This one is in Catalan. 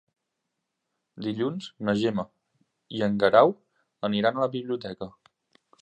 Dilluns na Gemma i en Guerau aniran a la biblioteca.